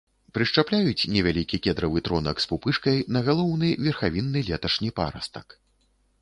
Прышчапляюць невялікі кедравы тронак з пупышкай на галоўны верхавінны леташні парастак.